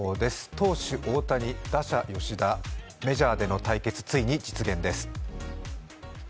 投手・大谷、打者・吉田、メジャーでの対決、ついに実現です